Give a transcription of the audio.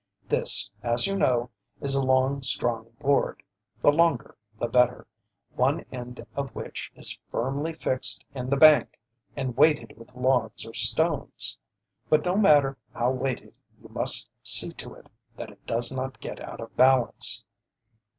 This, as you know, is a long, strong board the longer the better one end of which is firmly fixed in the bank and weighted with logs or stones; but no matter how weighted you must see to it that it does not get out of balance.